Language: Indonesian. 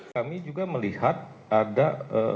kami juga melihat ada